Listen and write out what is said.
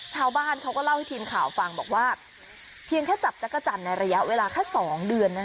ชาวบ้านเขาก็เล่าให้ทีมข่าวฟังบอกว่าเพียงแค่จับจักรจันทร์ในระยะเวลาแค่๒เดือน